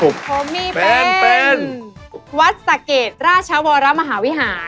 แผ่นใบที่สองค่ะ